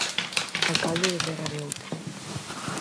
Alcalde de Serra de Outes.